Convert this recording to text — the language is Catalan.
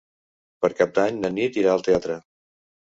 Per Cap d'Any na Nit irà al teatre.